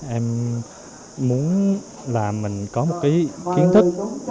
em muốn là mình có một cái kiến thức